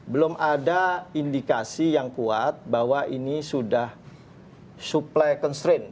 belum ada indikasi yang kuat bahwa ini sudah supply constraint